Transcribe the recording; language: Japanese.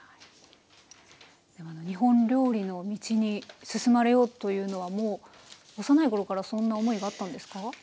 日本料理の道に進まれようというのは幼い頃からそんな思いがあったんですか？